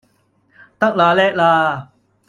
得啦叻啦